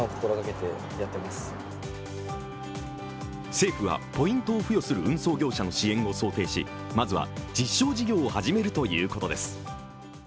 政府はポイントを付与する運送業者の支援を想定しまずは実証事業を始めるということです。